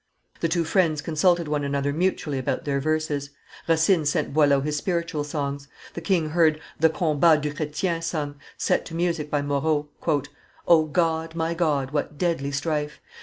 The two friends consulted one another mutually about their verses; Racine sent Boileau his spiritual songs. The king heard the Combat du Chretien sung, set to music by Moreau "O God, my God, what deadly strife!